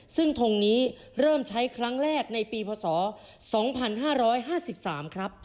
ซึ่งทงนี้เริ่มใช้ครั้งแรกในปีพศ๒๕๕๓ครับ